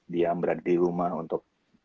dia berada di rumah untuk